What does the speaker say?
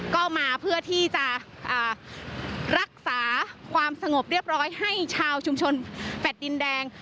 ก็มาเพื่อที่จะรักษาความสงบเรียบร้อยให้ชาวชุมชนแฟลต์ดินแดง